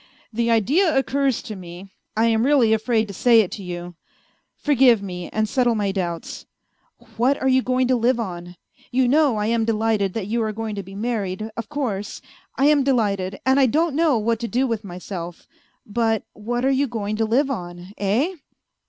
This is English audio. " The idea occurs to me ; I am really afraid to say it to you. ... Forgive me, and settle my doubts. What are you going A FAINT HEART 161 to live on ? You know I am delighted that you are going to be married, of course, I am delighted, and I don't know what to do with myself, but what are you going to live on ? Eh